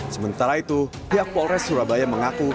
sementara itu pihak polres surabaya mengaku